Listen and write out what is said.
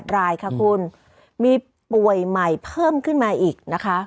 รายค่ะคุณมีป่วยใหม่เพิ่มขึ้นมาอีกนะคะ